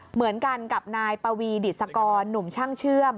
เหมือนกันกับนายปวีดิสกรหนุ่มช่างเชื่อม